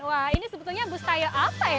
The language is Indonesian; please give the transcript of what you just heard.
wah ini sebetulnya bustayo apa ya